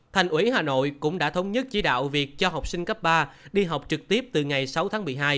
thành ủy hà nội cũng đã thống nhất chỉ đạo việc cho học sinh cấp ba đi học trực tiếp từ ngày sáu tháng một mươi hai